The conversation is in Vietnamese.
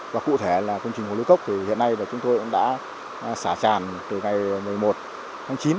và cụ thể là công trình hồ lưu cốc thì hiện nay là chúng tôi cũng đã xả tràn từ ngày một mươi một tháng chín